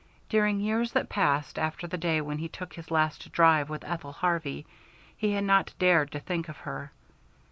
During years that passed after the day when he took his last drive with Ethel Harvey, he had not dared to think of her.